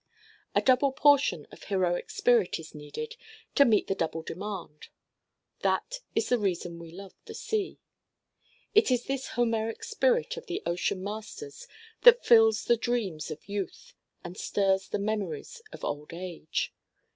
A double portion of heroic spirit is needed to meet the double demand. That is the reason we love the sea. It is this Homeric spirit of the Ocean Masters that fills the dreams of youth and stirs the memories of old age.